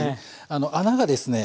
穴がですね